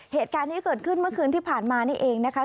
เหตุการณ์นี้เกิดขึ้นเมื่อคืนที่ผ่านมานี่เองนะคะ